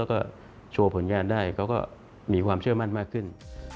แล้วก็โชว์ผลงานได้เขาก็มีความเชื่อมั่นมากขึ้น